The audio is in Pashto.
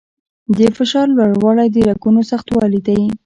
د فشار لوړوالی د رګونو سختوالي دی.